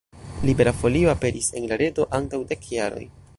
Libera Folio aperis en la reto antaŭ dek jaroj.